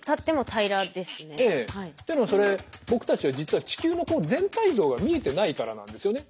っていうのはそれ僕たちは実は地球の全体像が見えてないからなんですよね。